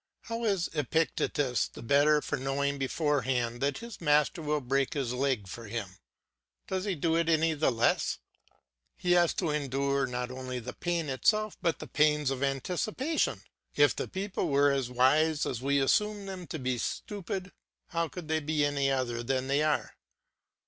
How is Epictetus the better for knowing beforehand that his master will break his leg for him; does he do it any the less? He has to endure not only the pain itself but the pains of anticipation. If the people were as wise as we assume them to be stupid, how could they be other than they are?